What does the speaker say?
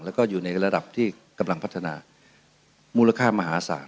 แล้วก็อยู่ในระดับที่กำลังพัฒนามูลค่ามหาศาล